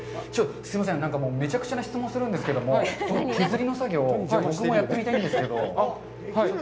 すいません、なんかめちゃくちゃな質問するんですけど、このけずりの作業、僕もやってみたいんですけど、はい。